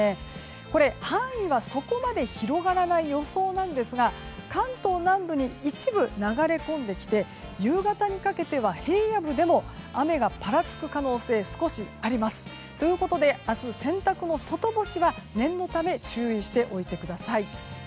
これ、範囲はそこまで広がらない予想なんですが関東南部に一部流れ込んできて夕方にかけては、平野部でも雨がぱらつく可能性が少しあります。ということで明日、洗濯の外干しは念のため注意しておいてください。